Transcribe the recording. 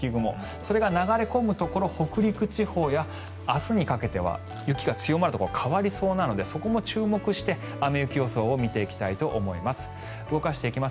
それが流れ込むところ北陸地方や明日にかけては雪が強まるところ変わりそうなのでそこも注目して雨・雪予想を見ていきたいと思います。